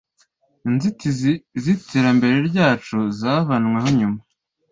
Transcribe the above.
Inzitizi ziterambere ryacu zavanyweho nyuma.